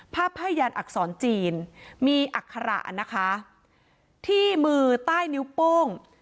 ผ้าไพ่ยานอักษรจีนมีอัคระนะคะที่มือใต้นิ้วโป้ง